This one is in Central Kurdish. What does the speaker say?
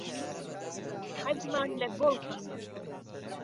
حەزمان لە گۆڵفە.